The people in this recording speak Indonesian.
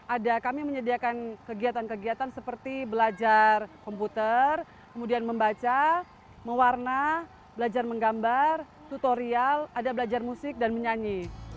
ada kami menyediakan kegiatan kegiatan seperti belajar komputer kemudian membaca mewarna belajar menggambar tutorial ada belajar musik dan menyanyi